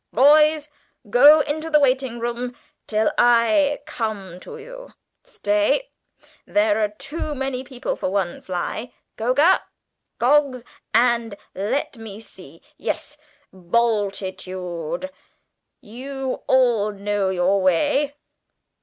Boys, go into the waiting room till I come to you. Stay there are too many for one fly. Coker, Coggs, and, let me see, yes, Bultitude, you all know your way.